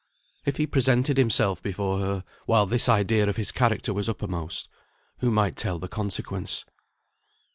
If he presented himself before her while this idea of his character was uppermost, who might tell the consequence?